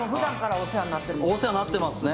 お世話になってますね